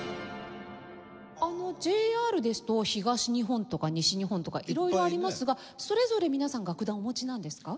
ＪＲですと東日本とか西日本とかいろいろありますがそれぞれ皆さん楽団をお持ちなんですか？